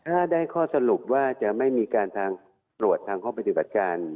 ถ้าได้ข้อสรุปว่าจะไม่มีการทางตรวจทางข้อปฏิบัติการ